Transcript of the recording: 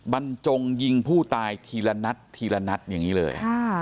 บรรจงยิงผู้ตายทีละนัดทีละนัดอย่างนี้เลย